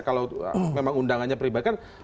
kalau memang undangannya pribadi